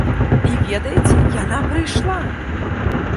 І ведаеце, яна прыйшла!